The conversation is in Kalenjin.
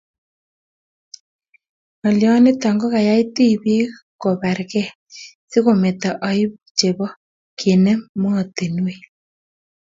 Ng'alio nitok ko koyai tibik ko bargei si kometo aibu chebo kenem moatinikwek